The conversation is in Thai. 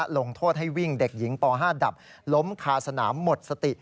ลงโทษให้วิ่งเด็กหญิงป๕ดับล้มคาสนามหมดสติ